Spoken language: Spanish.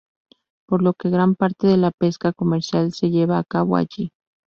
Por lo que gran parte de la pesca comercial se lleva a cabo allí.